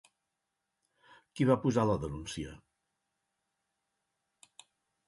Qui va posar la denúncia?